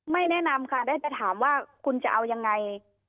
แนะนำค่ะได้แต่ถามว่าคุณจะเอายังไง